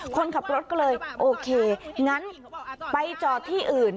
คนขับรถก็เลยโอเคงั้นไปจอดที่อื่น